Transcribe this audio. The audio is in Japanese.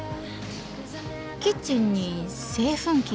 キッチンに製粉機が。